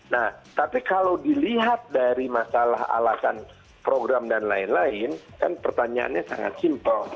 nah tapi kalau dilihat dari masalah alasan program dan lain lain kan pertanyaannya sangat simpel